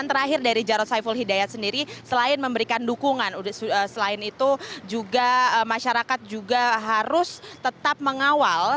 dan terakhir dari jarod saiful hidayat sendiri selain memberikan dukungan selain itu juga masyarakat juga harus tetap mengawal